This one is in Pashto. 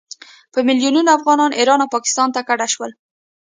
په میلونونو افغانان ایران او پاکستان ته کډه شول.